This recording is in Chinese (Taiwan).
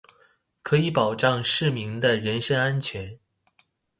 可以保障市民的人身安全